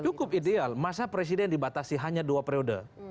cukup ideal masa presiden dibatasi hanya dua periode